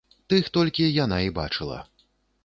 Тых толькі яна і бачыла.